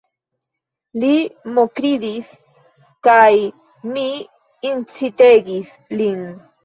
Li mokridis, kaj mi incitegis lin.